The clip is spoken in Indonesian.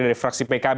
dari fraksi pkb